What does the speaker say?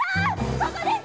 ここです！